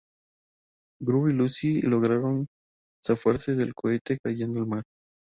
Gru y Lucy logran zafarse del cohete, cayendo al mar.